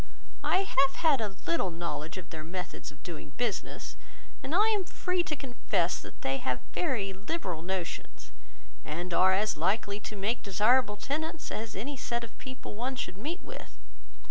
I have had a little knowledge of their methods of doing business; and I am free to confess that they have very liberal notions, and are as likely to make desirable tenants as any set of people one should meet with.